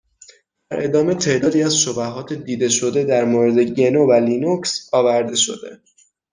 در ادامه تعدادی از شبهات دیده شده در مورد گنو و لینوکس آورده شده